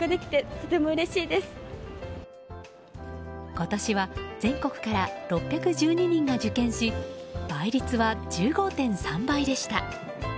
今年は全国から６１２人が受験し倍率は１５．３倍でした。